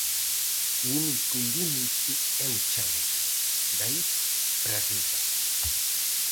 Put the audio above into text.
O único límite é o chan, de aí para arriba.